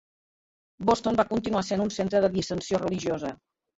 Boston va continuar sent un centre de dissensió religiosa.